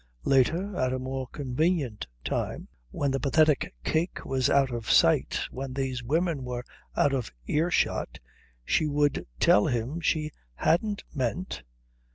Later, at a more convenient time, when the pathetic cake was out of sight, when these women were out of ear shot, she would tell him she hadn't meant....